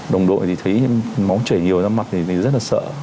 đồng đội thì thấy máu chảy nhiều ra mặt thì mình rất là sợ